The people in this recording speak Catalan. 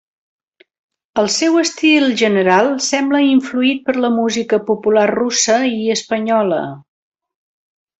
El seu estil general sembla influït per la música popular russa i espanyola.